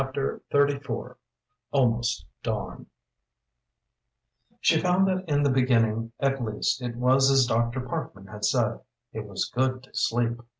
_" CHAPTER XXXIV ALMOST DAWN She found that in the beginning at least it was as Dr. Parkman had said. It was good to sleep.